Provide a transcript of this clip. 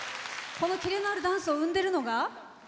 このキレのあるダンスを生んでるのが？